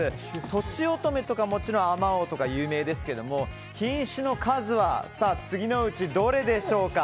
とちおとめとか、もちろんあまおうとか有名ですけど品種の数は次のうちどれでしょうか？